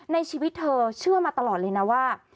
ในชีวิตเธอเชื่อมาตลอดเลยนะว่า